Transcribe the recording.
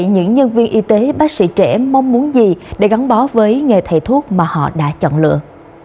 những nhân viên y tế bác sĩ trẻ mong muốn gì để gắn bó với nghề thầy thuốc mà họ đã chọn lựa